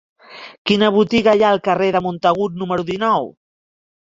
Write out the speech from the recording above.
Quina botiga hi ha al carrer de Montagut número dinou?